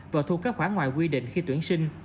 và thu các khóa ngoại quy định khi tuyển sinh